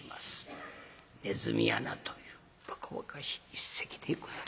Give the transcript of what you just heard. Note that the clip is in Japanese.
「ねずみ穴」というばかばかしい一席でござい。